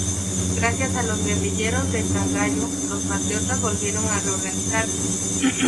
Gracias a los guerrilleros de Cangallo, los patriotas volvieron a reorganizarse.